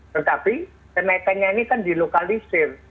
tetapi kenaikannya ini kan dilokalisir